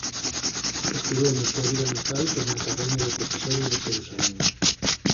Estudou na súa vila natal e na Academia de Profesores de Xerusalén.